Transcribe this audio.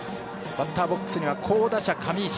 バッターボックスには好打者上石。